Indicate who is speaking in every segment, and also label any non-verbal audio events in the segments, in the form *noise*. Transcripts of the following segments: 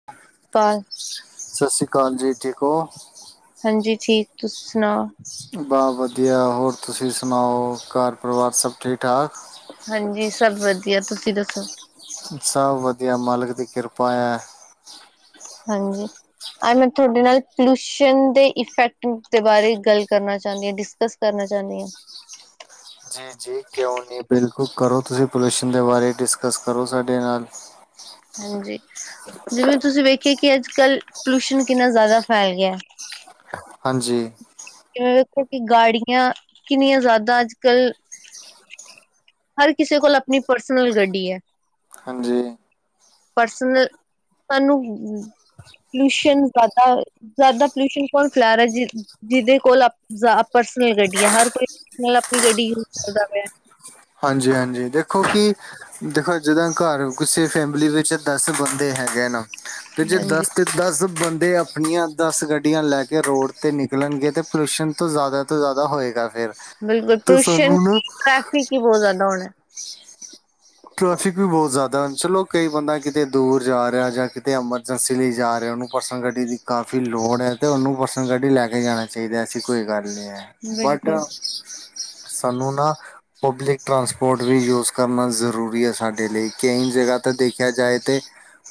Speaker 1: *inaudible*
Speaker 2: ਸਤਿ ਸ਼੍ਰੀ ਅਕਾਲ ਜੀ ਠੀਕ ਹੋ
Speaker 1: ਹਾਂਜੀ ਠੀਕ ਤੁਸੀ ਸੁਣਾਓ
Speaker 2: ਬਸ ਵਧੀਆ ਹੋਰ ਤੁਸੀਂ ਸੁਣਾਓ ਘਰ ਪਰਿਵਾਰ ਸਭ ਠੀਕ ਠਾਕ
Speaker 1: ਹਾਂਜੀ ਸਭ ਵਧੀਆ ਤੁਸੀਂ ਦੱਸੋ
Speaker 2: ਸਭ ਵਧੀਆ ਮਾਲਕ ਦੀ ਕਿਰਪਾ ਹੈ।
Speaker 1: ਹਾਂਜੀ ਆ ਮੈਂ ਤੁਹਾਡੇ ਨਾਲ ਪੋਲਿਊਸ਼ਨ ਦੇ ਇਫੈਕਟ ਦੇ ਬਾਰੇ ਗੱਲ ਕਰਨਾ ਚਾਹੁੰਦੀ ਹਾਂ ਡਿਸਕਸ ਕਰਨਾ ਚਾਹੁੰਦੀ ਹਾਂ
Speaker 2: ਜੀ ਕਿਉਂ ਨਹੀਂ ਬਿਲਕੁਲ ਕਰੋ ਤੁਸੀਂ ਪੋਲਿਊਸ਼ਨ ਦੇ ਬਾਰੇ ਡਿਸਕਸ ਕਰੋ ਸਾਡੇ ਨਾਲ ਜੇ
Speaker 1: ਹਾਂਜੀ ਜਿਵੇਂ ਤੁਸੀਂ ਵੇਖੀਏ ਕਿ ਅੱਜ ਕੱਲ ਪੋਲਿਊਸ਼ਨ ਕਿੰਨਾ ਜਿਆਦਾ ਫੈਲ ਗਿਆ
Speaker 2: ਹਾਂਜੀ
Speaker 1: ਕਿਵੇਂ ਵੇਖੋ ਕਿ ਗਾੜੀਆਂ ਕਿੰਨੀਆਂ ਜ਼ਿਆਦਾ ਅੱਜ ਕੱਲ ਹਰ ਕਿਸੇ ਕੋਲ ਆਪਣੀ ਪਰਸਨਲ ਗੱਡੀ ਹੈ।
Speaker 2: ਹਾਂਜੀ
Speaker 1: ਪਰਸਨਲ ਸਾਨੂੰ ਕੀ ਪੋਲਿਊਸਨ ਜਿਆਦਾ ਜ਼ਿਆਦਾ ਪੋਲਿਊਸ਼ਨ ਕੌਣ ਫੈਲਾ ਰਿਹਾ ਜੀਦੇ ਕੋਲ ਪਰਸਨਲ ਗੱਡੀਆਂ ਹਰ ਕੋਈ ਨਾਲ ਆਪਣੀ ਗੱਡੀ ਯੂਜ ਕਰਦਾ ਪਿਆ
Speaker 2: ਹਾਂਜੀ ਹਾਂਜੀ ਦੇਖੋ ਕਿ ਦੇਖੋ ਜਦੋਂ ਘਰ ਕਿਸੇ ਫੈਮਿਲੀ ਵਿੱਚ ਦਸ ਬੰਦੇ ਹੈਗੇ ਨਾ ਤੇ ਜੇ
Speaker 1: ਹਾਂਜੀ
Speaker 2: ਦਸ ਅਤੇ ਦਸ ਬੰਦੇ ਆਪਣੀਆਂ ਦਸ ਗੱਡੀਆਂ ਲੈ ਕੇ ਰੋਡ ਤੇ ਨਿਕਲਣਗੇ ਅਤੇ ਪੋਲਿਊਸ਼ਨ ਤੋਂ ਜ਼ਿਆਦਾ ਜ਼ਿਆਦਾ ਹੋਏਗਾ ਫੇਰ
Speaker 1: ਬਿਲਕੁਲ ਪੋਲਿਊਸਨ ਟ੍ਰੈਫਿਕ ਹੀ ਬਹੁਤ ਜ਼ਿਆਦਾ ਹੋਣਾ
Speaker 2: ਟਰੈਫਿਕ ਵੀ ਬਹੁਤ ਜ਼ਿਆਦਾ ਹੈ। ਚਲੋ, ਕੋਈ ਬੰਦਾ ਕਿਤੇ ਦੂਰ ਜਾ ਰਿਹਾ ਹੈ ਜਾਂ ਕਿਤੇ ਹੋਰ। ਏਜੰਸੀ ਲਈ ਜਾ ਰਹੇ ਹੋ? ਉਹਨੂੰ ਪਰਸਨਲ ਗੱਡੀ ਦੀ ਕਾਫ਼ੀ ਲੋੜ ਹੈ, ਤੇ ਉਹਨੂੰ ਪਰਸਨਲ ਗੱਡੀ ਲੈ ਕੇ ਜਾਣਾ। ਚਾਹੀਦਾ, ਐਸੀ ਕੋਈ ਗੱਲ ਨਹੀਂ ਹੈ। ਬਟ,
Speaker 1: ਬਿਲਕੁਲ
Speaker 2: ਸਾਨੂੰ ਨਾ, ਪਬਲਿਕ ਟਰਾਂਸਪੋਰਟ ਵੀ ਯੂਜ਼ ਕਰਨਾ ਜ਼ਰੂਰ। ਜ਼ਰੂਰੀ ਹੈ ਸਾਡੇ ਲਈ। ਕਈ ਜਗ੍ਹਾ, ਤਾਂ ਦੇਖਿਆ ਜਾਵੇ ਤੇ।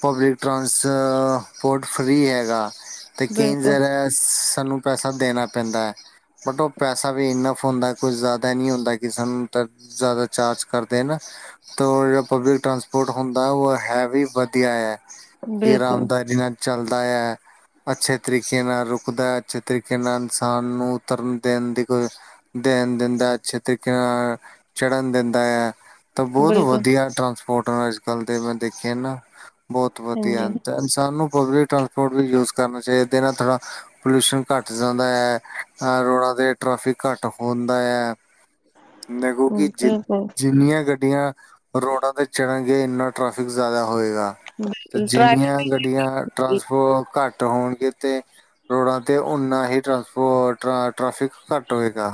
Speaker 2: ਪਬਲਿਕ ਟ੍ਰਾਂਸਪੋਰਟ ਫ੍ਰਰੀ ਹੈਗਾ। ਤੇ ਕਈ
Speaker 1: ਬਿਲਕੁਲ
Speaker 2: ਜਾਗਾ ਸਾਨੂੰ ਪੈਸਾ ਦੇਣਾ ਪੈਂਦਾ ਹੈ। ਬਟ, ਉਹ ਪੈਸਾ ਵੀ ਇਨਾਫ਼ ਹੁੰਦਾ, ਕੁਝ ਜ਼ਿਆਦਾ ਨਹੀਂ ਹੁੰਦਾ ਕਿਸੇ ਨੂੰ। ਜ਼ਿਆਦਾ ਚਾਰਜ ਕਰਦੇ, ਨਾ। ਤਾਂ, ਜਿਹੜਾ ਪਬਲਿਕ ਟਰਾਂਸਪੋਰਟ ਹੁੰਦਾ, ਉਹ ਹੈ ਵੀ ਵਧੀਆ ਹੈ ਕਿ
Speaker 1: ਬਿਲਕੁਲ
Speaker 2: ਆਰਾਮਦਾਇਕ ਹੈ? ਚਲਦਾ ਹੈ। ਅੱਛੇ ਤਰੀਕੇ ਨਾਲ ਰੁਕਦਾ ਹੈ। ਅੱਛੇ ਤਰੀਕੇ ਨਾਲ ਇਨਸਾਨ ਨੂੰ ਉਤਰਨ ਦੇਣ ਦੀ ਕੋਈ। ਦੇਣ ਦਿੰਦਾ, ਅੱਛੇ ਤਰੀਕੇ ਨਾਲ ਚੜ੍ਹਨ ਦਿੰਦਾ ਹੈ। ਤਾਂ ਬਹੁਤ
Speaker 1: ਬਿਲਕੁਲ
Speaker 2: ਵਧੀਆ ਟਰਾਂਸਪੋਰਟ ਹੈ ਅੱਜ ਕੱਲ੍ਹ ਦੇ, ਮੈਂ ਦੇਖੇ ਨਾ। ਬਹੁਤ ਵਧੀਆ
Speaker 1: ਹਾਂਜੀ
Speaker 2: ਹਨ। ਇਨਸਾਨ ਨੂੰ ਪਬਲਿਕ ਟਰਾਂਸਪੋਰਟ ਵੀ ਯੂਜ਼ ਕਰਨਾ ਚਾਹੀਦਾ ਇਹਦੇ ਨਾਲ ਥੋੜ੍ਹਾ। ਪੋਲਿਊਸ਼ਨ ਘੱਟ ਜਾਂਦਾ ਹੈ, ਰੋਡਾਂ 'ਤੇ ਟ੍ਰੈਫਿਕ ਵੀ ਘੱਟ ਹੁੰਦਾ ਹੈ। ਨੇਗੋਂ ਕਿ ਜਿ
Speaker 1: ਬਿਲਕੁਲ
Speaker 2: ਜਿਨੀਆਂ ਗ ਗੱਡੀਆਂ ਰੋਡਾਂ ਤੇ ਚੜਨਗੇ ਇੰਨਾ ਟ੍ਰੈਫਿਕ ਜ਼ਿਆਦਾ ਹੋਏਗਾ ਤੇ
Speaker 1: ਬਿਲਕੁਲ ਟ੍ਰੈਫਿਕ
Speaker 2: ਜਿੰਨੀਆਂ ਗ। ਗੱਡੀਆਂ ਟਰਾਂਸਪੋ ਘੱਟ ਹੋਣਗੇ ਤੇ। ਰੋਡਾਂ 'ਤੇ ਉਓਨਾ ਹੀ ਟਰਾਂਪੋ ਟਰਾ ਟ੍ਰੈਫਿਕ ਘੱਟ ਹੋਵੇਗਾ।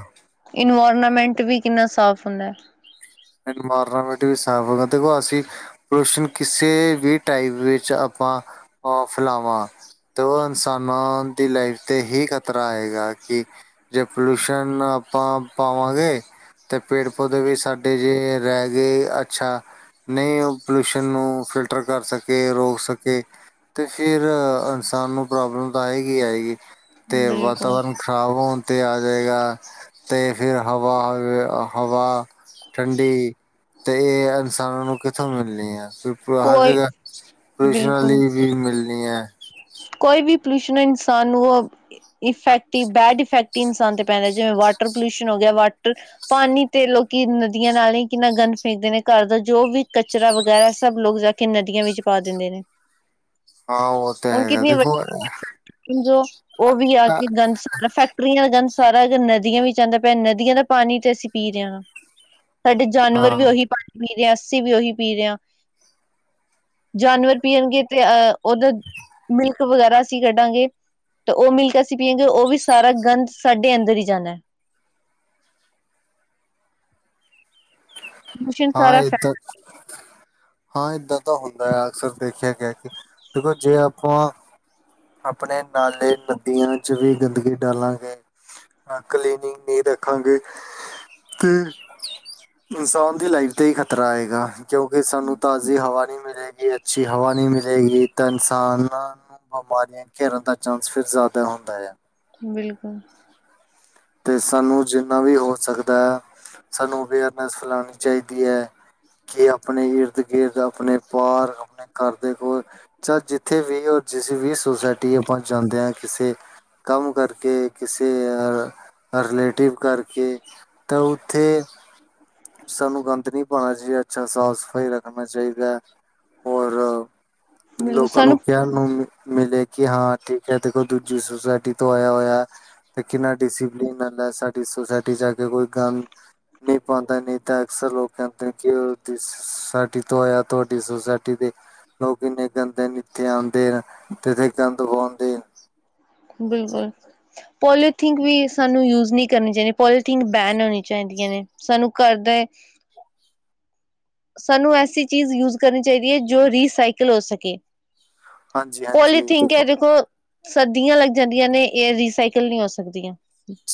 Speaker 1: ਇਨਵਾਇਰਨਮੈਂਟ ਵੀ ਕਿੰਨਾ ਸਾਫ਼ ਹੁੰਦਾ।
Speaker 2: ਇਨਵਾਇਰਨਮੈਂਟ ਵੀ ਸਫ਼ ਦੇਖੋ ਅਸੀਂ। ਪੋਲੂਸ਼ਨ ਕਿਸੇ ਵੀ ਟਾਈਪ ਵਿੱਚ ਆਪਾਂ, ਅਹ, ਫੈਲਾਵਾਂ। ਤੋ ਇਨਸਾਨਾਂ ਦੀ ਲਾਈਫ 'ਤੇ ਹੀ ਖ਼ਤਰਾ ਆਏਗਾ ਕਿ? ਜੇ ਪੋਲੂਸ਼ਨ ਆਪਾਂ ਪਾਵਾਂਗੇ, ਤੇ ਪੇੜ ਪੌਦੇ ਵੀ ਸਾਡੇ। ਏ ਜੀ, ਰਹਿ ਗਏ। ਅੱਛਾ। ਨਹੀਂ, ਉਹ ਪੋਲਿਊਸ਼ਨ ਨੂੰ ਫਿਲਟਰ ਕਰ ਸਕੇ, ਰੋਕ ਸਕੇ। ਤੇ ਫਿਰ ਇਨਸਾਨ ਨੂੰ ਪ੍ਰੋਬਲਮ ਤਾਂ ਆਏਗੀ ਹੀ ਆਏਗੀ,
Speaker 1: ਹੈ
Speaker 2: ਤੇ
Speaker 1: ਬਿਲਕੁਲ
Speaker 2: ਵਾਤਾਵਰਨ। ਖ਼ਰਾਬ ਹੋਣ 'ਤੇ ਆ ਜਾਏਗਾ, ਅਤੇ ਫਿਰ ਹਵਾ, ਹਵਾ। ਠੰਡੀ, ਤੇ ਇਹ ਇਨਸਾਨਾਂ ਨੂੰ ਕਿੱਥੋਂ ਮਿਲਣੀ ਹੈ? ਹਰ
Speaker 1: ਕੋਈ
Speaker 2: ਜਗ੍ਹਾ ਪੌਲੂਸ਼ਨ
Speaker 1: ਬਿਲਕੁਲ
Speaker 2: ਵਾਲੀ ਵਿ ਮਿਲਣੀ ਹੈ।
Speaker 1: ਕੋਈ ਵੀ ਪੋਲਿਊਸ਼ਨ, ਇਨਸਾਨ ਉਹ। ਇਫੈਕਟਿ ਬੈਡ ਇਫੈਕਟਿ ਹੀ ਇਨਸਾਨ ਤੇ ਪੈਣਾ ਜਿਵੇ ਵਾਟਰ ਪੋਲਿਊਸ਼ਨ ਹੋ ਗਿਆ ਵਾਟਰ। ਪਾਣੀ ਤੇ ਲੋਕੀ ਨਦੀਆਂ ਨਾਲ ਹੀ ਕਿੰਨਾ ਗੰਨ ਫੇਕਦੇ ਨੇ ਘਰ ਦਾ ਜੋ ਵੀ ਕਚਰਾ ਵਗੈਰਾ ਸਭ ਲੋਕ ਜਾ। ਕਿ ਨਦੀਆਂ ਵਿੱਚ ਪਾ ਦਿੰਦੇ ਨੇ।
Speaker 2: ਹਾਂ। ਤਾਂ
Speaker 1: ਹੂਣ ਕਿ
Speaker 2: ਹੈਗਾ
Speaker 1: ਵਡੀ
Speaker 2: ਦੇਖੋ ਅ-
Speaker 1: ਫੈਕਟਰੀ ਜੌ ਉਹ ਵੀ ਆ ਕੇ ਗੰਦ ਸਾਰਾ ਫ਼ੇਕ ਫੈਕਟਰੀਆਂ ਦਾ ਗੰਦ ਸਾਰਾ ਹੀ ਨਦੀਆਂ ਵਿੱਚ ਆ ਰਿਹਾ ਹੈ, ਅਤੇ ਨਦੀਆਂ ਦਾ ਪਾਣੀ ਅਸੀਂ ਹੀ ਪੀ ਰਹੇ ਹਾਂ। ਸਾਡੇ ਜਾਨਵਰ
Speaker 2: ਹਾਂ
Speaker 1: ਵੀ ਉਹੀ ਪਾਣੀ। ਪੀ ਰਹੇ ਹਾਂ ਅਸੀ ਵੀ ਉਹੀ ਪੀ ਰਹੇ ਹਾਂ ਜਾਨਵਰ ਪੀਣਗੇ ਤੇ ਅਹ ਉਹਦਾ। ਮਿਲਕ ਵਗੈਰਾ ਅਸੀਂ ਕੱਢਾਂਗੇ। ਤੇ ਉਹ ਮਿਲਕ ਅਸੀਂ ਪੀਏੰਗੇ, ਉਹ ਸਾਰਾ ਗੰਦ ਵੀ ਸਾਡੇ ਅੰਦਰ ਹੀ ਜਾਨਾ। ਮਸ਼ੀਨ
Speaker 2: ਹਾਂ ਇਹ ਤਾਂ।
Speaker 1: *inaudible*
Speaker 2: ਹਾਂ, ਏਦਾਂ ਤਾਂ ਹੁੰਦਾ ਆ। ਅਕਸਰ ਦੇਖਿਆ ਗਿਆ ਕਿ, ਦੇਖੋ, ਜੇ ਆਪਾਂ। ਆਪਣੇ ਨਾਲੇ-ਨਦੀਆਂ 'ਚ ਵੀ ਗੰਦਗੀ ਡਾਲਾਂਗੇ। ਕਲੀਨਿੰਗ ਨਹੀਂ ਰੱਖਾਂਗੇ, ਤੇ ਇਨਸਾਨ। ਦੀ ਲਾਈਫ 'ਤੇ ਹੀ ਖ਼ਤਰਾ ਆਏਗਾ, ਕਿਉਂਕਿ ਸਾਨੂੰ ਤਾਜ਼ੀ ਹਵਾ ਨਹੀਂ ਮਿਲੇਗੀ, ਅੱਛੀ ਹਵਾ ਨਹੀਂ ਮਿਲੇਗੀ। ਤਾਂ, ਇਨਸਾਨਾਂ ਨੂੰ ਬਿਮਾਰੀਆਂ ਘੇਰਨ ਦਾ ਚਾਂਸ ਫਿਰ ਜ਼ਿਆਦਾ ਹੁੰਦਾ ਆ।
Speaker 1: ਬਿਲਕੁਲ।
Speaker 2: ਅਤੇ ਸਾਨੂੰ ਜਿੰਨਾ ਵੀ ਹੋ ਸਕਦਾ ਸਾਨੂੰ ਅਵੇਅਰਨੈਸ ਫੈਲਾਉਣੀ ਚਾਹੀਦੀ ਹੈ ਕਿ ਆਪਣੇ ਇਰਦ ਗਿਿਰਦ ਆਪਣੇ ਪਾਰ ਆਪਣੇ ਘਰ ਦੇ ਕੋਲ ਚ ਜਿੱਥੇ ਵੀ ਜਿਸ ਵੀ ਸੁੋਸਾਇਟੀ ਆਪਾਂ ਜਾਂਦੇ ਹਾਂ ਕਿਸੇ ਕੰਮ ਕਰਕੇ ਕਿਸੇ ਅ ਰਿਲੇਟਿਵ ਕਰਕੇ ਤਾਂ ਉੱਥੇ ਸਾਨੂੰ ਗੰਦ ਨਹੀਂ ਪਾਉਣਾ ਚਾਹੀਦਾ ਅੱਛਾ ਸਾਫ਼ ਸਫ਼ਾਈ ਰੱਖਣਾ ਚਾਹੀਦਾ ਹੈ ਔਰ
Speaker 1: ਬਿਲਕੁਲ
Speaker 2: ਲੋਕਾਂ ਨੂੰ
Speaker 1: ਸਾਨੂੰ
Speaker 2: ਕਿਆ ਨੂੰ ਮਿਲੇ ਕਿ ਹਾਂ ਠੀਕ ਹੈ ਦੇਖੋ ਦੂਜੀ ਸੁੋਸਾਇਟੀ ਤੋਂ ਆਇਆ ਹੋਇਆ ਤੇ ਕਿੰਨਾ ਡਿਸੀ ਪੈਂਦਾ ਸਾਡੀ ਸੋਸਾਇਟੀ ਚ ਆਕੇ ਕੋਈ ਕਮ ਨਹੀਂ ਪਾਉਂਦਾ ਨਹੀਂ ਤਾਂ ਅਕਸਰ ਲੋਕ ਕਹਿੰਦੇ ਕਿ ਸਾਡੀ ਤੋਂ ਆਇਆ ਤੁਹਾਡੀ ਸੋਸਾਇਟੀ ਦੇ ਲੋਕ ਇੰਨੇ ਗੰਦੇ ਨੇ ਇੱਥੇ ਆਉਦੇ ਨੇ ਅਤੇ ਇੱਥੇ ਗੰਦ ਪਉਂਦੇ ਹੈਂ
Speaker 1: ਬਿਲਕੁਲ ਪੋਲੀਓਥੀਨ ਵੀ ਸਾਨੂੰ ਯੂਜ ਨਹੀਂ ਕਰਨੀ ਚਾਹੀਦੀ ਪੋਲੀਥੀਨ ਬੈਨ ਹੋਣੀ ਚਾਹੀਦੀਆਂ ਨੇ ਸਾਨੂੰ ਕਰਦੇ ਸਾਨੂੰ ਐਸੀ ਚੀਜ਼ ਯੂਜ ਕਰਨੀ ਚਾਹੀਦੀ ਹੈ ਜੋ ਰੀਸਾਈਕਲ ਹੋ ਸਕੇ
Speaker 2: ਹਾਂਜੀ ਹਾਂਜੀ
Speaker 1: ਪੋਲੀਥਨ ਕ ਦੇਖੋ ਸਰਦੀਆਂ ਲੱਗ ਜਾਂਦੀਆਂ ਨੇ ਇਹ ਰੀਸਾਈਕਲ ਨਹੀਂ ਹੋ ਸਕਦੀਆਂ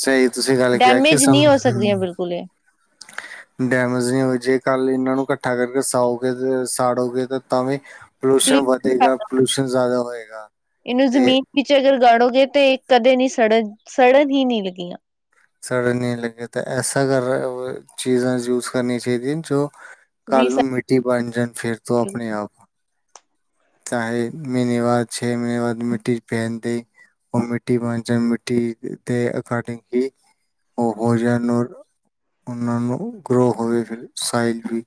Speaker 2: ਸਹੀ ਤੁਸੀਂ ਗੱਲ ਕਿਹਾ ਕਿ
Speaker 1: ਡੈਮੇਜ ਨਹੀਂ ਹੋ ਸਕਦੀਆਂ
Speaker 2: ਸਾਨੂੰ
Speaker 1: ਬਿਲਕੁਲ ਇਹ
Speaker 2: ਡੈਮੇਜ ਨਹੀਂ ਹੋ ਜੇ ਕੱਲ ਇਹਨਾਂ ਨੂੰ ਇਕੱਠਾ ਕਰਕੇ ਸਾਓਗੇ ਸਾੜੋਗੇ ਤਾਂ-ਤਾਂ ਵੀ ਪੋਲਿਊਸ਼ਨ ਵੱਧੇਗਾ ਪੋਲਿਊਸ਼ਨ ਜ਼ਿਆਦਾ ਹੋਏਗਾ
Speaker 1: ਇਹਨੂੰ
Speaker 2: ਅਤੇ
Speaker 1: ਜ਼ਮੀਨ ਵਿੱਚ ਅਗਰ ਗਾੜੋਗੇ ਤੇ ਕਦੇ ਨੀ ਸੜਨ-ਸੜਨ ਹੀ ਨੀ ਲੱਗੀਆਂ
Speaker 2: ਸੜਨ ਨਹੀਂ ਲੱਗੇ ਤਾਂ ਐਸਾ ਕਰ ਚੀਜ਼ਾਂ ਯੂਸ ਕਰਨੀ ਚਾਹੀਦੀਆਂ ਜੋ ਕੱਲ ਨੂੰ
Speaker 1: ਰੀਸਾਈਕਲ
Speaker 2: ਮਿੱਟੀ ਬਣ ਜਾਣ ਫੇਰ ਤੋਂ ਆਪਣੇ ਆਪ ਚਾਹੇ ਮਹੀਨੇ ਬਾਅਦ ਛੇ ਮਹੀਨੇ ਬਾਅਦ ਮਿੱਟੀ ਚ ਪਹਿਨਦੇ ਉਹ ਮਿੱਟੀ ਬਣ ਜਾ ਮਿੱਟੀ ਦੇ ਅਕਡਿੰਗ ਹੀ ਉਹ ਭੋਜਨ ਨੂੰ ਉਹਨਾਂ ਨੂੰ ਗਰੋ ਹੋਵੇ ਫ ਸਾਈਲ ਵੀ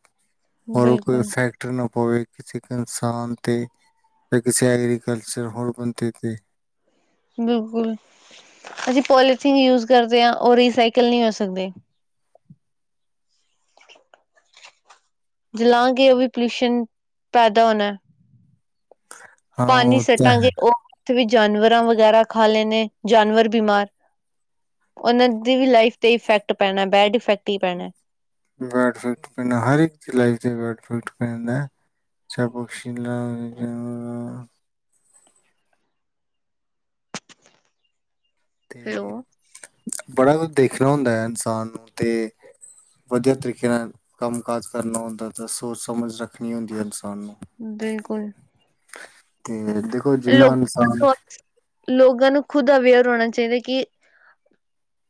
Speaker 2: ਔਰ ਕੋਈ
Speaker 1: ਬਿਲਕੁਲ
Speaker 2: ਈਫੈਕਟ ਨਾ ਪਵੇ ਕਿਸੇ ਇੱਕ ਇਨਸਾਨ ਤੇ ਫ ਕਿਸੇ ਐਗਰੀਕਲਚਰ ਹੋਰ ਬਣਦੇ ਤੇ
Speaker 1: ਬਿਲਕੁਲ ਅਸੀਂ ਪੋਲੀਥੀਨ ਯੂਜ ਕਰਦੇ ਹਾਂ ਉਹ ਰੀਸਾਈਕਲ ਨਹੀਂ ਹੋ ਸਕਦੇ *inaudible* *unintelligible* ਜਲਾਂਗੇ ਉਹ ਵੀ ਪੋਲਿਊਸ਼ਨ ਪੈਦਾ ਹੋਣਾ
Speaker 2: *inaudible* *unintelligible*
Speaker 1: ਪਾਣੀ
Speaker 2: ਉਹ ਤਾਂ
Speaker 1: ਸੱਟਾਂਗੇ
Speaker 2: ਹੈ
Speaker 1: ਉਹ ਉੱਥੇ ਵੀ ਜਾਨਵਰਾਂ ਵਗੈਰਾ ਖਾ ਲੈਣੇ ਜਾਨਵਰ ਬਿਮਾਰ ਉਹਨਾਂ ਦੀ ਵੀ ਲਾਈਫ ਤੇ ਇਫੈਕਟ ਪੈਣਾ ਬੈਡ ਇਫੈਕਟ ਹੀ ਪੈਣੈ
Speaker 2: ਬੈਡ ਸੂਟ ਪੈਂਦਾ ਹਰ ਇੱਕ ਚਲਾਾਈਫ ' ਬੈਡ ਸੂਟ ਪੈਂਦਾ ਸ ਬਕਸੀ ਲ ਜ ਤੇ
Speaker 1: ਹੈਲੋ
Speaker 2: ਬੜਾ ਕੁਛ ਦੇਖਣਾ ਹੁੰਦਾ ਹੈ ਇਨਸਾਨ ਨੂੰ ਤੇ ਵਧੀਆ ਤਰੀਕੇ ਨਾਲ ਕੰਮ ਕਾਜ ਕਰਨਾ ਹੁੰਦਾ ਤਾਂ ਸੋਚ ਸਮਝ ਰੱਖਣੀ ਹੁੰਦੀ ਹੈ ਇਨਸਾਨ ਨੂੰ
Speaker 1: ਬਿਲਕੁਲ
Speaker 2: ਤੇ ਦੇਖੋ ਜਿੰਨਾ
Speaker 1: ਲੋਕ
Speaker 2: ਇਨਸਾਨ
Speaker 1: ਲੋ ਲੋਕਾਂ ਨੂੰ ਖੁਦ ਅਵੇਅਰ ਹੋਣਾ ਚਾਹੀਦਾ ਕਿ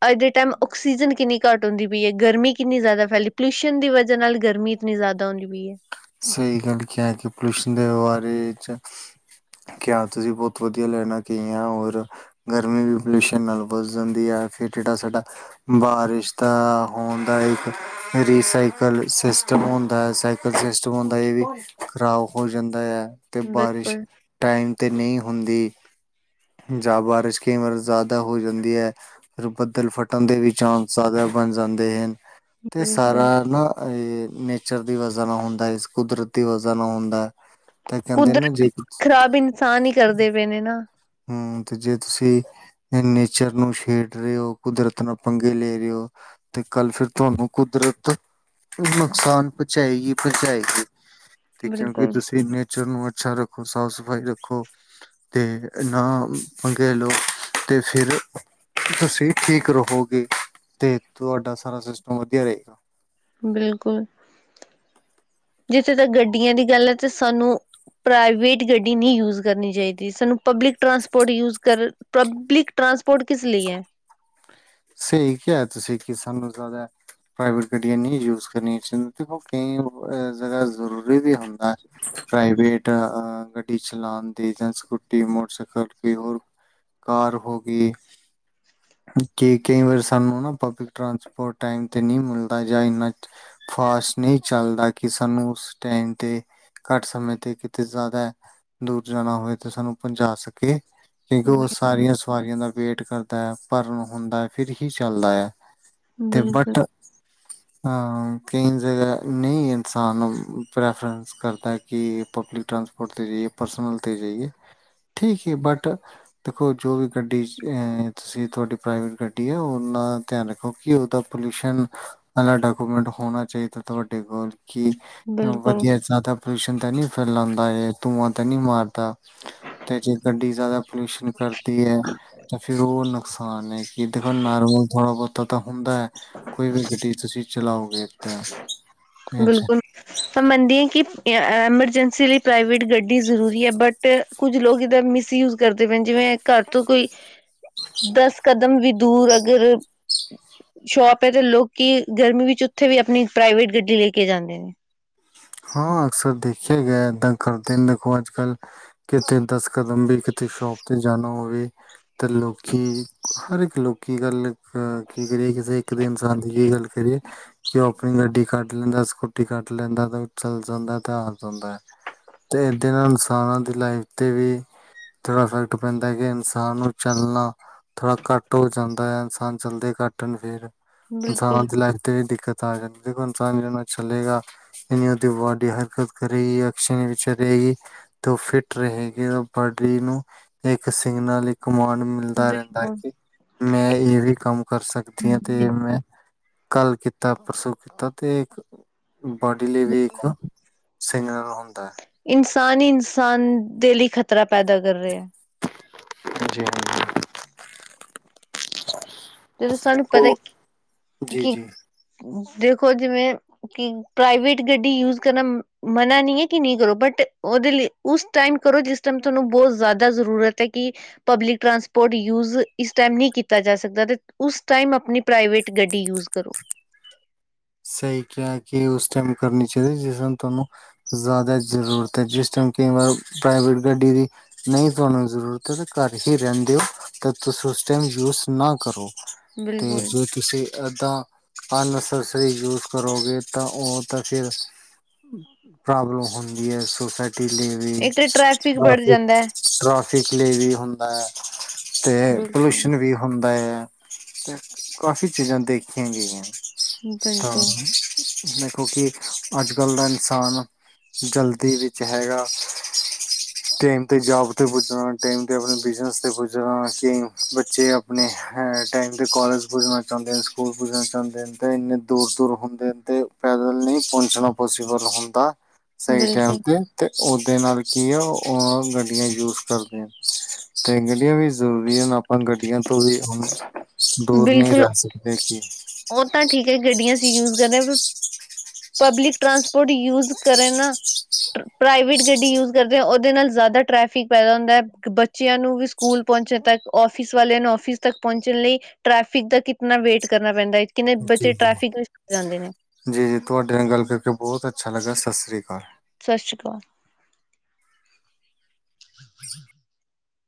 Speaker 1: ਅੱਜ ਦੇ ਟਾਈਮ ਆਕਸੀਜਨ ਕਿੰਨੀ ਘੱਟ ਹੁੰਦੀ ਪਈ ਹੈ ਗਰਮੀ ਕਿੰਨੀ ਜ਼ਿਆਦਾ ਫੈਲੀ ਪੋਲਿਊਸ਼ਨ ਦੀ ਵਜ੍ਹਾ ਨਾਲ ਗਰਮੀ ਮਿਲਦਾ ਤਾਂ ਹੁਣ ਵੀ ਹੈ
Speaker 2: ਸਹੀ ਗੱਲ ਕਿਹਾ ਕਿ ਪੋਲਿਊਸ਼ਨ ਦੇ ਬਾਰੇ ਚ ਕਿਆ ਤੁਸੀਂ ਬਹੁਤ ਵਧੀਆ ਲੈਣਾ ਕਹਿਆ ਔਰ ਗਰਮੀ ਵੀ ਪੋਲਿਊਸ਼ਨ ਨਾਲ ਬੱਧ ਜਾਂਦੀ ਹੈ ਫਿਰ ਜਿਹੜਾ ਸਾਡਾ ਬਾਰਿਸ਼ ਦਾ ਹੋਣ ਦਾ ਇੱਕ ਰੀਸਾਈਕਲ ਸਿਸਟਮ ਹੁੰਦਾ ਸਾਈਕਲ ਸਿਸਟਮ ਹਣ ਇਹ ਵੀ ਖ਼ਰਾਬ ਹੋ ਜਾਂਦਾ ਹੈ ਤੇ ਬਾਰਿਸ਼
Speaker 1: ਬਿਲਕੁਲ
Speaker 2: ਟਾਈਮ ਤੇ ਨਹੀਂ ਹੁੰਦੀ ਜਾਂ ਬਾਰਿਸ਼ ਕਈ ਵਾਰ ਜ਼ਿਆਦਾ ਹੋ ਜਾਂਦੀ ਹੈ ਫਿਰ ਬੱਦਲ ਫਟਣ ਦੇ ਵੀ ਚਾਂਸ ਜ਼ਿਆਦਾ ਬਣ ਜਾਂਦੇ ਹਨ ਤੇ
Speaker 1: ਬਿਲਕੁਲ
Speaker 2: ਸਾਰਾ ਨਾ ਇਹ ਨੇਚਰ ਦੀ ਵਜਾ ਨਾ ਹੁੰਦਾ ਇਸ ਕੁਦਰਤੀ ਵਜ੍ਹਾ ਨਾਲ ਹੁੰਦਾ ਤਾਂ ਕਹਿੰਦੇ ਨਾ
Speaker 1: ਕੁਦਰਤ
Speaker 2: ਜੇ
Speaker 1: ਖ਼ਰਾਬ ਇਨਸਾਨ ਹੀ ਕਰਦੇ ਪਏ ਨੇ ਨਾ
Speaker 2: ਹਮ ਤੇ ਜੇ ਤੁਸੀਂ ਨੇਚਰ ਨੂੰ ਛੇੜ ਰਹੇ ਹੋ ਕੁਦਰਤ ਨਾਲ ਪੰਗੇ ਲੈ ਰਹੇ ਹੋ ਤੇ ਕੱਲ ਫੇਰ ਤੁਹਾਨੂੰ ਕੁਦਰਤ ਨੁਕਸਾਨ ਪਹੁੰਚਾਏਗੀ ਪਹੁੰਚਾਏਗੀ ਤੇ ਕਿਉਂਕਿ
Speaker 1: ਬਿਲਕੁਲ
Speaker 2: ਤੁਸੀਂ ਨੇਚਰ ਨੂੰ ਅੱਛਾ ਰੱਖੋ ਸਾਫ਼ ਸਫ਼ਾਈ ਰੱਖੋ ਤੇ ਤੇ ਨਾ ਪੰਗੇ ਲੋ ਅਤੇ ਫਿਰ ਤੁਸੀਂ ਠੀਕ ਰਹੋਗੇ ਤੇ ਤੁਹਾਡਾ ਸਾਰਾ ਸਿਸਟਮ ਵਧੀਆ ਰਹੇਗਾ
Speaker 1: ਬਿਲਕੁਲ ਜਿੱਥੇ ਤੱਕ ਗੱਡੀਆਂ ਦੀ ਗੱਲ ਹੈ ਤੇ ਸਾਨੂੰ ਪ੍ਰਾਈਵੇਟ ਗੱਡੀ ਨਹੀਂ ਯੂਜ ਕਰਨੀ ਚਾਹੀਦੀ ਸਾਨੂੰ public transport use public transport ਕਿਸ ਲਈ ਹੈ
Speaker 2: ਸਹੀ ਕਿਹਾ ਤੁਸੀਂ ਕਿ ਸਾਨੂੰ ਜ਼ਿਆਦਾ ਪ੍ਰਾਈਵੇਟ ਗੱਡੀਆਂ ਨਹੀਂ ਯੂਜ ਕਰਨੀਆਂ ਚਾਹੀ ਕਈ ਜਾ ਜ਼ਰੂਰੀ ਵੀ ਹੁੰਦਾ ਪ੍ਰਾਈਵੇਟ ਗੱਡੀ ਚਲਾਉਣ ਦੇ ਜਾਂ ਸਕੂਟੀ ਮੋਟਰਸਾਈਕਲ ਕੋ ਹੋਰ ਕਾਰ ਹੋ ਗਈ ਕਿ ਕਈ ਵਾਰ ਸਾਨੂੰ ਨਾ ਪਬਲਿਕ ਟਰਾਂਸਪੋਰਟ ਟਾਈਮ ਤੇ ਨਹੀਂ ਮਿਲਦਾ ਜਾਂ ਇੰਨਾ ਫਾਸਟ ਨਹੀਂ ਚੱਲਦਾ ਕਿ ਸਾਨੂੰ ਉਸ ਟਾਈਮ ਤੇਤੇ ਘੱਟ ਸਮੇ ਤੇ ਕਿਤੇ ਜ਼ਿਆਦਾ ਦੂਰ ਜਾਣਾ ਹੋਵੇ ਤੇ ਸਾਨੂੰ ਪਹੁੰਚਾ ਸਕੇ ਕਿਉਂਕਿ ਉਹ ਸਾਰੀਆਂ ਸਵਾਰੀਆਂ ਦਾ ਵੇਟ ਕਰਦਾ ਹੈ ਭਰਨ ਹੁੰਦਾ ਹੈ ਫਿਰ ਹੀ ਚੱਲਦਾ ਹੈ ਤੇ ਬਟ
Speaker 1: ਹਮ
Speaker 2: ਹਾਂ ਕਈ ਜਗ੍ਹਾ ਨਹੀਂ ਇਨਸਾਨ ਪ੍ਰੈਫਰੈਂਸ ਕਰਦਾ ਕਿ ਪਬਲਿਕ ਟਰਾਂਸਪੋਰਟ 'ਤੇ ਜਾਈਏ ਪਰਸਨਲ 'ਤੇ ਜਾਈਏ ਠੀਕ ਹੈ ਬਟ ਦੇਖੋ ਜੋ ਵੀ ਗੱਡੀ ਅ ਅਸੀਂ ਤੁਹਾਡੀ ਪ੍ਰਾਈਵੇਟ ਗੱਡੀ ਹੈ ਉਹ ਨਾਲ ਧਿਆਨ ਰੱਖੋ ਕਿ ਉਹਦਾ ਪੋਲਿਊਸ਼ਨ ਅ ਡਾਕੂਮੈਂਟ ਹੋਣਾ ਚਾਹੀਦਾ ਤੁਹਾਡੇ ਕੋਲ ਕੀ
Speaker 1: ਬਿਲਕੁਲ
Speaker 2: ਵਧੀਆ ਜ਼ਿਆਦਾ ਪੋਲਊਸ਼ਨਣ ਤਾਂ ਨਹੀਂ ਫੈਲਾਉਂਦਾ ਇਹ ਧੂੰਆਂ ਤਾਂ ਨਹੀਂ ਮਾਰਦਾ ਜੇ ਗੱਡੀ ਜ਼ਿਆਦਾ ਪਲਿਊਸ਼ਨ ਕਰਦੀ ਹੈ ਤਾਂ ਉਹ ਨੁਕਸਾਨ ਹੈ ਕਿ ਦੇਖੋ ਨਰਮਲ ਥੋੜਾ ਬਹੁਤਾ ਤਾਂ ਹੁੰਦਾ ਹੈ ਕੋਈ ਵੀ ਗੱਡੀ ਤੁਸੀਂ ਚਲਾਓਗੇ ਤਾਂ ਇਹ
Speaker 1: ਬਿਲਕੁਲ ਮੈਂ ਮੰਨਦੇ ਹਾਂ ਕਿ ਐਮਰਜੈਂਸੀ ਲਈ ਪ੍ਰਾਈਵੇਟ ਗੱਡੀ ਜ਼ਰੂਰੀ ਹੈ ਬਟ ਕੁੱਝ ਲੋਕ ਇਹਦਾ ਮਿਸਯੂਜ ਕਰਦੇ ਪਏ ਜਿਵੇਂ ਘਰ ਤੋਂ ਕੋਈ ਦਸ ਕਦਮ ਵੀ ਦੂਰ ਅਗਰ ਸ਼ੋਪ ਹੈ ਤੇ ਲੋਕੀ ਗਰਮੀ ਵਿੱਚ ਉੱਥੇ ਵੀ ਆਪਣੀ ਪ੍ਰਾਈਵੇਟ ਗੱਡੀ ਲੈ ਕੇ ਜਾਂਦੇ ਨੇ
Speaker 2: ਹਾਂ ਅਕਸਰ ਦੇਖਿਆ ਗਿਆ ਏਦਾਂ ਕਰਦੇ ਨੇ ਦੇਖੋ ਅੱਜ ਕੱਲ ਕਿਤੇ ਦਸ ਕਦਮ ਵੀ ਕਿਤੇ ਸ਼ੋਪ 'ਤੇ ਜਾਣਾ ਹੋਵੇ ਅਤੇ ਲੋਕੀ ਹਰ ਇੱਕ ਲੋਕੀ ਗੱਲ ਕੀ ਕਰੀ ਕਿਸੇ ਇੱਕ ਦੇ ਇਨਸਾਨ ਦੀ ਜ ਗੱਲ ਕਰੀਏ ਕਿ ਉਹ ਆਪਣੀ ਗੱਡੀ ਕੱਢ ਲੈਂਦਾ ਸਕੂਟੀ ਕੱਢ ਲੈਂਦਾ ਤਾਂ ਚੱਲ ਜਾਂਦਾ ਤੇ ਆ ਜਾਂਦਾ ਹੈ ਤੇ ਏਦੇ ਨਾਲ ਇਨਸਾਨਾਂ ਦੀ ਲਾਈਫ ਤੇ ਵੀ ਥੋੜਾ ਇਫੈਕਟ ਪੈਂਦਾ ਕਿ ਇਨਸਾਨ ਨੂੰ ਚੱਲਣਾ ਥੋੜ੍ਹਾ ਘੱਟ ਹੋ ਜਾਂਦਾ ਹੈ, ਇਨਸਾਨ ਚੱਲਦੇ ਘੱਟ ਨੇ ਫਿਰ।
Speaker 1: ਬਿਲਕੁਲ
Speaker 2: ਇਨਸਾਨ ਦੀ ਲਾਈਫ ਤੇ, ਏ ਦਿੱਕਤ ਆ ਜਾਂਦੀ, ਦੇਖੋ ਇਨਸਾਨ ਜ ਚੱਲੇਗਾ ਜ ਉਹਦੀ ਬ ਬਾਡੀ ਹਰਕਤ ਕਰੇਗੀ, ਐਕਸ਼ਾਂ ਵਿੱਚ ਰਹੇਗੀ। ਤੇ ਓਹ ਫਿਟ ਰਹੇਗੀ ਬੋਡੀ ਨੂੰ, ਇੱਕ ਸਿਗਨਲ, ਇੱਕ ਕਮਾਂਡ ਮਿਲਦਾ ਰਹਿੰਦਾ
Speaker 1: ਬਿਲਕੁਲ
Speaker 2: ਕਿ, ਮੈਂ ਇਹ ਵੀ ਕੰਮ ਕਰ ਸਕਦੀ ਹਾਂ, ਤੇ, ਮੈਂ ਕੱਲ ਕੀੱਤਾ, ਪਰਸੋਂ ਕੀਤਾ ਤੇ ਇੱਕ, ਬ ਡਿਲੀ ਵੀ ਇੱਕ ਸਿਗਨਰ ਹੁੰਦਾ।
Speaker 1: ਇਨਸਾਨ ਹੀ ਇਨਸਾਨ ਦੇ ਲਈ ਖ਼ਤਰਾ ਪੈਦਾ ਕਰ ਰਿਹਾ।
Speaker 2: ਹਾਂਜੀ-ਹਾਂਜੀ।
Speaker 1: ਜਦੋਂ ਸਾਨੂੰ ਪਤਾ ਕੀ, ਕੀ,
Speaker 2: ਜੀ
Speaker 1: ਦੇਖੋ ਜਿਵੇਂ ਕਿ, ਪ੍ਰਾਈਵੇਟ ਗੱਡੀ ਯੂਜ ਕਰਨਾ ਮਨਾ ਨਹੀਂ ਏ, ਕਿ ਨਹੀਂ ਕਰੋ ਬਟ ਉਹਦੇ ਲਈ, ਉਸ ਟਾਈਮ ਕਰੋ, ਜਿਸ ਟਾਈਮ ਤੁਹਾਨੂੰ ਬਹੁਤ ਜ਼ਿਆਦਾ ਜ਼ਰੂਰਤ ਏ, ਕਿ ਪਬਲਿਕ ਟ੍ਰਾਂਸਪੋਰਟ ਯੂਜ ਇਸ ਟਾਇਮ ਨਹੀਂ ਕੀਤਾ ਜਾ ਸਕਦਾ, ਤੇ ਉਸ ਟਾਈਮ, ਆਪਣੀ ਪ੍ਰਾਈਵੇਟ ਗੱਡੀ ਯੂਜ ਕਰੋ।
Speaker 2: ਸਹੀ ਕਿਆ ਕਿ, ਉਸ ਟਾਈਮ ਕਰਨੀ ਚਾਹੀਦੀ, ਜਿਸ ਨਾਲ ਤੁਹਾਨੂੰ ਜ਼ਿਆਦਾ ਜ਼ਰੂਰਤ ਐ, ਜਿਸ ਟਾਈਮ ਕਈਂ ਵਾਰ ਪ੍ਰਾਈਵੇਟ ਗੱਡੀ ਦੀ ਨਹੀਂ ਤੁਹਾਨੂੰ ਜ਼ਰੂਰਤ ਹੈ ਤਾਂ ਘਰ ਹੀ ਰਹਿੰਦੇ ਹੋ, ਤਾਂ ਤੁਸੀ ਉਸ ਟਾਈਮ ਯੂਸ ਨਾ ਕਰੋ। 'ਤੇ
Speaker 1: ਬਿਲਕੁਲ
Speaker 2: ਜੇ ਤੁਸੀਂ ਏਦਾਂ, ਅ ਆਲਸਸ ਯੂਜ ਕਰੋਗੇ, ਤਾਂ ਉਹ ਤਾਂ ਫਿਰ ਪ੍ਰੋਬਲਮ ਹੁੰਦੀ ਹੈ, ਸੋਸਾਇਟੀ ਲਈ ਵੀ
Speaker 1: ਇੱਕ ਤਾਂ ਟ੍ਰੈਫਿਕ
Speaker 2: ਤਾਂ
Speaker 1: ਬੜ
Speaker 2: ਫਿਰ
Speaker 1: ਜਾਂਦਾ ਹੈ
Speaker 2: ਟ੍ਰੋਫਿਕ ਲਈ ਵੀ ਹੁੰਦਾ, ਤੇ
Speaker 1: ਬਿਲਕੁਲ
Speaker 2: ਪੌਲੂਸ਼ਨ ਵੀ ਹੁੰਦਾ ਏ, ਤੇ ਕਾਫ਼ੀ ਚੀਜ਼ਾਂ ਦੇਖੀਆਂ ਗਈਆਂ।
Speaker 1: ਹੂੰ -
Speaker 2: ਹਾਂ, ਦੇਖੋ ਕਿ ਅਜ-ਕੱਲ ਦਾ ਇਨਸਾਨ ਜਲਦੀ ਵਿੱਚ ਹੈਗਾ
Speaker 1: *inaudible*
Speaker 2: ਟੇਮ ਤੇ ਜੌਬ ਤੇ ਪੁੱਜਣਾ, ਟਾਈਮ 'ਤੇ ਆਪਣੇ ਬਿਜਨਸ ਤੇ ਪੁੱਜਣਾ, ਕਈ ਬੱਚੇ ਅਪ ਆਪਣੇ ਹੈ ਟਾਈਮ ਤੇ ਕੋਲਜ ਪੁੱਜਣਾ ਚਾਹੁੰਦੇ ਨੇ, ਸਕੂਲ ਪੁੱਜਣਾ ਚਾਹੁੰਦੇ, ਨੇ ਤਾਂ ਇੰਨੇ ਦੂਰ-ਦੂਰ ਹੁੰਦੇਨ ਤੇ, ਪੈਦਲ ਨਹੀਂ ਪਹੁੰਚਣਾ ਪੌਸੀਬਲ ਹੁੰਦਾ ਸਹੀ ਟਾਈਮ
Speaker 1: ਬਿਲਕੁਲ
Speaker 2: ਤੇ। ਅਤੇ ਉਹਦੇ ਨਾਲ ਕੀ ਆ, ਉਹ ਗੱਡੀਆਂ ਯੂਜ ਕਰਦੇ ਨੇ। ਤੇ ਗੜੀਆਂ ਵੀ ਜ਼ਰੂਰੀਆਂ ਨ, ਆਪਾਂ ਗਡ ਗਡੀਆਂ ਤੋਂ ਵੀ ਹੁਣ, ਦੂਰ ਨਹੀਂ
Speaker 1: ਬਿਲਕੁਲ
Speaker 2: ਰਹਿ ਸਕਦੇ, ਕਿ
Speaker 1: ਉਹ ਤਾਂ ਠੀਕ ਹੈ, ਗੱਡੀਆਂ ਅਸੀਂ ਯੂਜ ਕਰਦੇ ਆ ਪਰ ਪਬਲੀਕ ਟ੍ਰਾਂਸਪੋਰਟ ਯੂਜ ਕਰੇ ਨਾ ਪ੍ਰਾਈਵੇਟ ਗੱਡੀ ਯੂਜ ਕਰਦੇ, ਉਹਦੇ ਨਾਲ ਜ਼ਿਆਦਾ ਟ੍ਰੈਫਿਕ ਪੈਦਾ ਹੁੰਦਾ ਹੈ, ਬੱਚ ਬੱਚਿਆਂ ਨੂੰ ਵੀ ਸਕੂਲ ਪਹੁੰਚਣ ਤੱਕ, ਆਫ਼ਿਸ ਵਾਲਿਆਂ ਨੂੰ ਆਫਿਸ ਤੱਕ ਪਹੁੰਚਣ ਲਈ ਟ੍ਰੈਫਿਕ ਦਾ ਕਿਤਨਾ ਵੇਟ ਕਰਨਾ ਪੈਂਦਾ ਏ, ਕਿੰਨੇ
Speaker 2: ਜੀ
Speaker 1: ਬੱਚੇ
Speaker 2: ਜੀ
Speaker 1: ਟ੍ਰੈਫਿਕ ਵਿੱਚ ਸ ਜਾਂਦੇ ਨੇ।
Speaker 2: ਜੀ, ਜੀ ਤੁਹਾਡੇ ਨਾਲ ਗੱਲ ਕਰਕੇ ਬਹੁਤ ਅੱਛਾ ਲੱਗਾ। ਸਤਿ ਸ਼੍ਰੀ ਅਕਾਲ।
Speaker 1: ਸਤਿ ਸ਼੍ਰੀ ਅਕਾਲ।